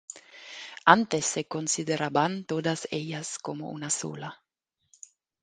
Antes se consideraban todas ellas como una sola.